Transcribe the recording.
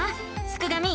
すくがミ